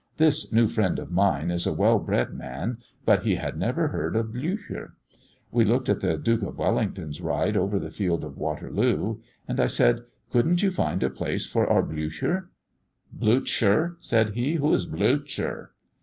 This new friend of mine is a well bred man, but he had never heard of Blücher. We looked at the Duke of Wellington riding over the field of Waterloo; and I said: 'Couldn't you find a place for our Blücher?' 'Blutsher,' said he, 'who is Blutsher?'